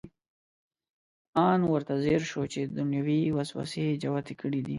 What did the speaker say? ان ورته ځیر شو چې دنیوي وسوسې جوتې کړې دي.